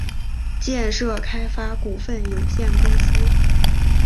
建设开发股份有限公司